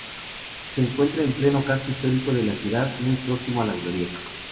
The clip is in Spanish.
Se encuentra en pleno casco histórico de la ciudad, muy próximo a la "Glorieta".